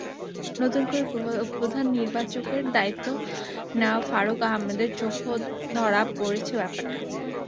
নতুন করে প্রধান নির্বাচকের দায়িত্ব নেওয়া ফারুক আহমেদের চোখেও ধরা পড়েছে ব্যাপারটা।